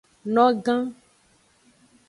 Nogan.